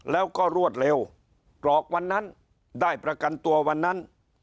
แล้วก็รวดเร็วกรอกวันนั้นได้ประกันตัววันนั้น